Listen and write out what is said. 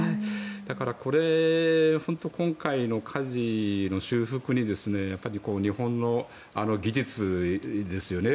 だから、これ本当に今回の火事の修復に日本の技術ですよね。